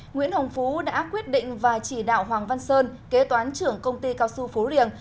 nguyễn hồng phú đã quyết định và chỉ đạo hoàng văn sơn kế toán trưởng công ty cao su phú riêng